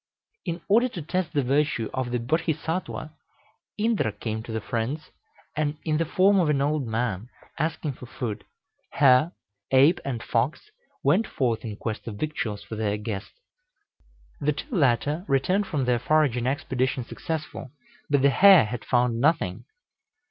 In order to test the virtue of the Bodhisattwa, Indra came to the friends, in the form of an old man, asking for food. Hare, ape, and fox went forth in quest of victuals for their guest. The two latter returned from their foraging expedition successful, but the hare had found nothing.